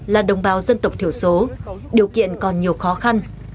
một trăm linh là đồng bào dân tộc thiểu số điều kiện còn nhiều khó khăn